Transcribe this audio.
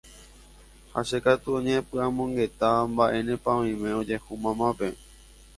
ha che katu añepy'amongeta mba'énepa oime ojehu mamáme